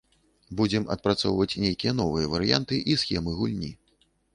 Будзем адпрацоўваць нейкія новыя варыянты і схемы гульні.